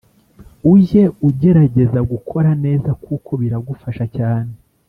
Ujye ujyerageza gukora neza kuko biragufasha cyane